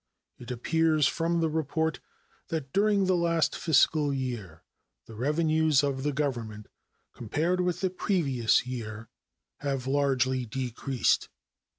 It appears from the report that during the last fiscal year the revenues of the Government, compared with the previous year, have largely decreased.